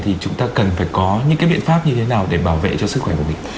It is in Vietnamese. thì chúng ta cần phải có những cái biện pháp như thế nào để bảo vệ cho sức khỏe của mình